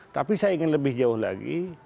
tapi saya ingin lebih jauh lagi